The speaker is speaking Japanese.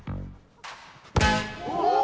お！